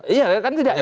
iya kan tidak etis